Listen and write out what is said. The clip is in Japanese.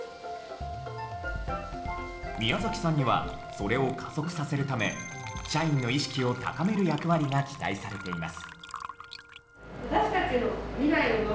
宮さんにはそれを加速させるため社員の意識を高める役割が期待されています。